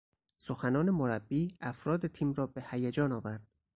سخنان مربی افراد تیم را به هیجان آورد.